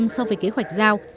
so với kế hoạch giao